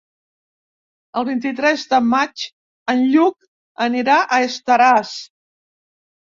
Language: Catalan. El vint-i-tres de maig en Lluc anirà a Estaràs.